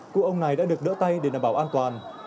cụ ông này đã được đỡ tay để đảm bảo an toàn